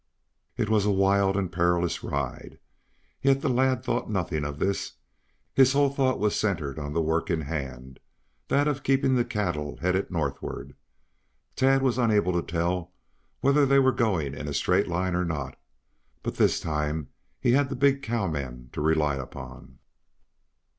It was a wild and perilous ride. Yet the lad thought nothing of this. His whole thought was centered on the work in hand, that of keeping the cattle headed northward. Tad was unable to tell whether they were going in a straight line or not, but this time he had the big cowman to rely upon.